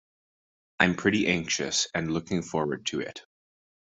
I'm pretty anxious and looking forward to it.